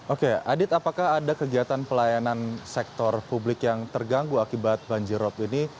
oke adit apakah ada kegiatan pelayanan sektor publik yang terganggu akibat banjir rob ini